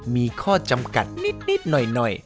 มีข้อจำกัดนิดหน่อย